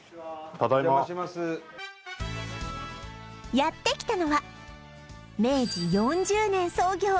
ただいまやってきたのは明治４０年創業